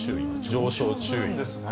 上昇注意です。